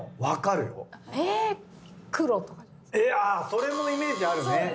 それもイメージあるね。